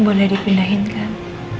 boleh dipindahin kan